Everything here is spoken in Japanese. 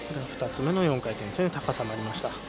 ２つ目の４回転は高さもありました。